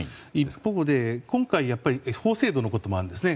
一方で今回法制度のこともあるんですよね。